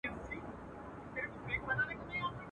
پخپله ورک یمه چي چیري به دي بیا ووینم.